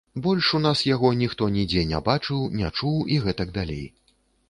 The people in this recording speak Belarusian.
Больш у нас яго ніхто нідзе не бачыў, не чуў і гэтак далей.